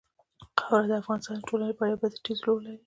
خاوره د افغانستان د ټولنې لپاره یو بنسټيز رول لري.